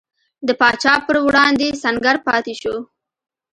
د پاچا پر وړاندې سنګر پاتې شو.